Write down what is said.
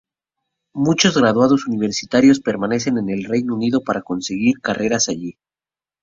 Muchos graduados universitarios permanecen en el Reino Unido para seguir carreras allí.